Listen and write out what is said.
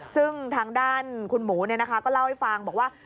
ซึ่งทางด้านคุณหมูก็เล่าให้ฟังบอกว่า